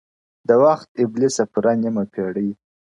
• د وخت ابلیسه پوره نیمه پېړۍ,